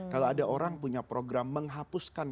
kalau ada orang punya program menghapuskan